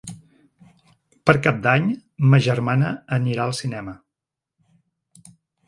Per Cap d'Any ma germana anirà al cinema.